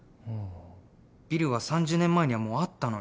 ビルは３０年前にはもうあったのに。